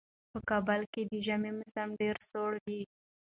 په کابل کې د ژمي موسم ډېر سوړ وي.